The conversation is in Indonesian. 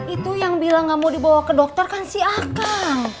itu yang bilang gak mau dibawa ke dokter kan si akal